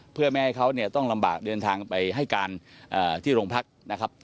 เพื่อไม่ให้เขาเนี่ยต้องลำบากเดินทางไปให้การที่โรงพักนะครับ